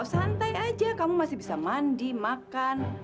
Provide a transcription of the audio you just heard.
santai aja kamu masih bisa mandi makan